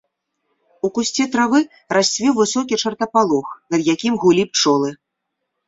У кусце травы расцвіў высокі чартапалох, над якім гулі пчолы.